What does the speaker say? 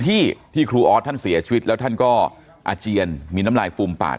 ที่ที่ครูออสท่านเสียชีวิตแล้วท่านก็อาเจียนมีน้ำลายฟูมปาก